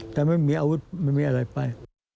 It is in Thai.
แต่ไม่มีอาวุธไม่มีอะไรไป